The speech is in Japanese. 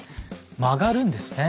曲がるんですね。